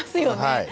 はい。